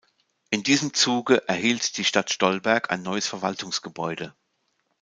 In diesem Zuge erhielt die Stadt Stollberg ein neues Verwaltungsgebäude.